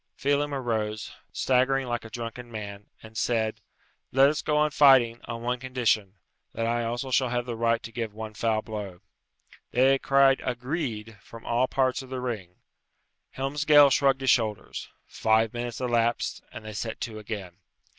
Phelem arose, staggering like a drunken man, and said, "Let us go on fighting, on one condition that I also shall have the right to give one foul blow." They cried "Agreed!" from all parts of the ring. Helmsgail shrugged his shoulders. Five minutes elapsed, and they set to again.